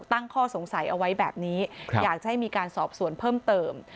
ตั้งข้อสงสัยเอาไว้แบบนี้อยากจะให้มีการสอบสวนเพิ่มเติม